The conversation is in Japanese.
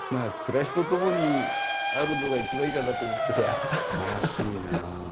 いやすばらしいな。